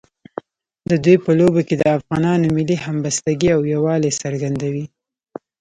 د دوی په لوبو کې د افغانانو ملي همبستګۍ او یووالي څرګندوي.